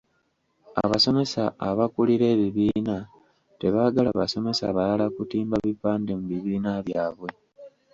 Abasomesa abakulira ebibiina tebaagala basomesa balala kutimba bipande mu bibiina byabwe.